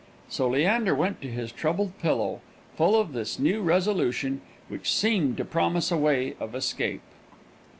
So Leander went to his troubled pillow, full of this new resolution, which seemed to promise a way of escape.